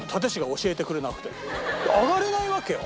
上がれないわけよ。